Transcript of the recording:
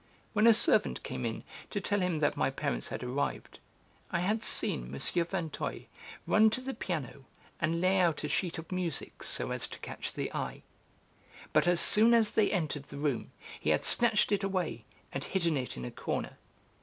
When a servant came in to tell him that my parents had arrived, I had seen M. Vinteuil run to the piano and lay out a sheet of music so as to catch the eye. But as soon as they entered the room he had snatched it away and hidden it in a corner.